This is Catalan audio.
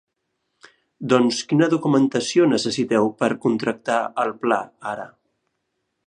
Doncs quina documentació necessiteu per contractar el pla ara?